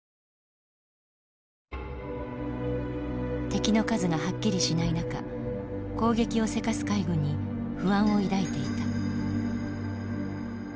敵の数がはっきりしない中攻撃をせかす海軍に不安を抱いていた。